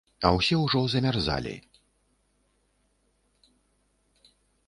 А ўсе ўжо замярзалі.